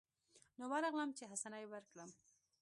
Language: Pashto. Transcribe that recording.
نو ورغلم چې حسنه يې ورکړم.